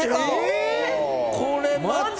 これまた。